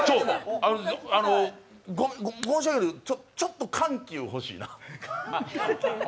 申し訳ないけどちょっと緩急欲しいな。